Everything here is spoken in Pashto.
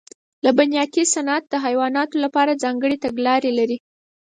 لبنیاتي صنعت د حیواناتو لپاره ځانګړې تګلارې لري.